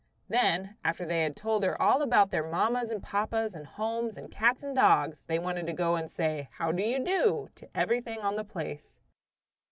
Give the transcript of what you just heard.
Then, after they had told her all about their mammas and papas, and homes, and cats and dogs, they wanted to go and say "how do you do" to everything on the place.